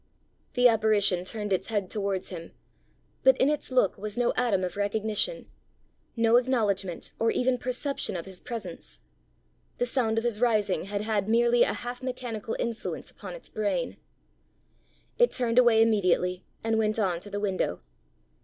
The apparition turned its head towards him; but in its look was no atom of recognition, no acknowledgment or even perception of his presence; the sound of his rising had had merely a half mechanical influence upon its brain. It turned away immediately, and went on to the window.